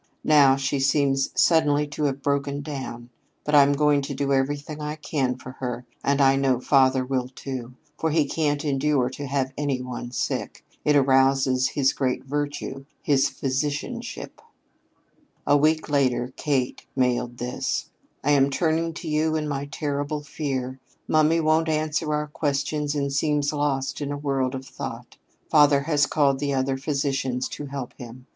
Now she seems suddenly to have broken down. But I'm going to do everything I can for her, and I know father will, too; for he can't endure to have any one sick. It arouses his great virtue, his physicianship." A week later Kate mailed this: "I am turning to you in my terrible fear. Mummy won't answer our questions and seems lost in a world of thought. Father has called in other physicians to help him.